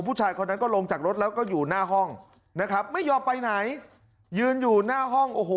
ผู้ชายคนนั้นก็ลงจากรถแล้วก็อยู่หน้าห้องนะครับไม่ยอมไปไหนยืนอยู่หน้าห้องโอ้โห